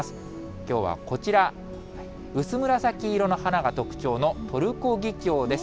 きょうはこちら、薄紫色の花が特徴のトルコギキョウです。